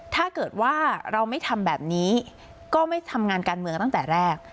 ถ้าเกิดว่าเราไม่ทำแบบนี้ก็ไม่ทำงานการเมืองตั้งแต่แรก